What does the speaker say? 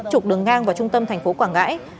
trục đường ngang vào trung tâm thành phố quảng ngãi